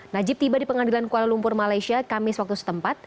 najib tiba di pengadilan kuala lumpur malaysia kamis waktu setempat